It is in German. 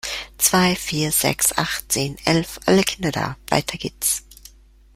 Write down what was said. Zwei, vier, sechs, acht, zehn, elf, alle Kinder da! Weiter geht's.